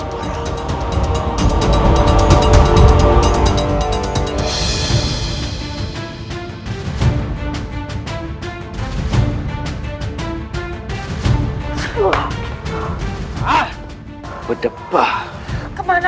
tidak ada apa lagi teman